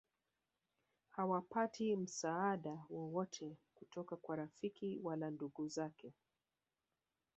hawapati msaada wowote kutoka kwa rafiki wala ndugu zake